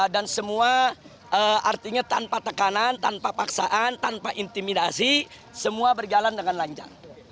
dan semua artinya tanpa tekanan tanpa paksaan tanpa intimidasi semua berjalan dengan lancar